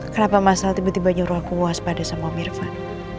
kenapa masalah tiba tiba nyuruh aku waspada sama mirfan